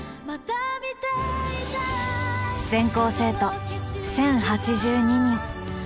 全校生徒１，０８２人。